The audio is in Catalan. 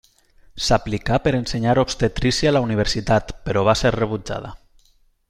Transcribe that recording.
S'aplicà per ensenyar obstetrícia a la universitat, però va ser rebutjada.